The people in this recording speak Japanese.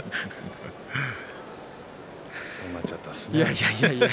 そうなっちゃったんですよ。